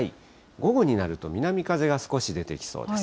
午後になると南風が少し出てきそうです。